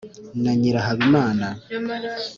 na nyirahabimana